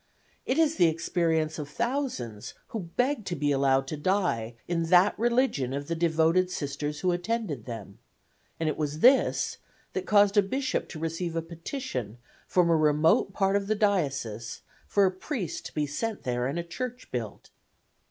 It is the experience of thousands who beg to be allowed to die in that religion of the devoted Sisters who attended them, and it was this that caused a bishop to receive a petition from a remote part of the diocese for a priest to be sent there and a church built.